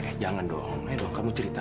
enggak jangan dong eh dong kamu cerita